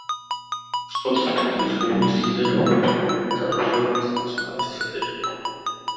Otros partidos comunistas de Europa Oriental usaron esta misma estrategia.